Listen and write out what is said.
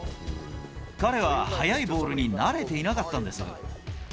彼は速いボールに慣れていなかったんです。